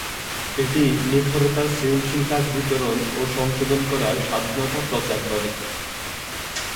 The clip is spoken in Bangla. এটি নিখরচায় সৃজনশীল কাজ বিতরণ ও সংশোধন করার স্বাধীনতা প্রচার করে।